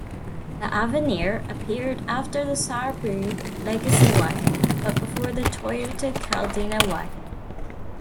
The Avenir appeared after the Subaru Legacy wagon, but before the Toyota Caldina wagon.